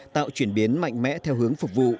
tạo chuyển biến mạnh mẽ theo hướng phục vụ